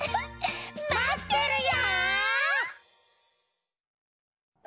まってるよ！